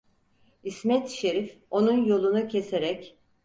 İsmet Şerif onun yolunu keserek: